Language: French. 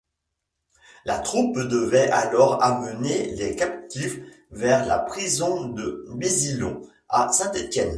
La troupe devait alors amener les captifs vers la prison de Bizillon à Saint-Étienne.